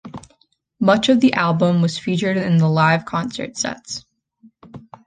Much of the album was featured in the live concert sets.